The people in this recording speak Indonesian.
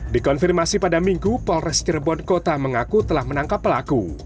dikonfirmasi pada minggu polres cirebon kota mengaku telah menangkap pelaku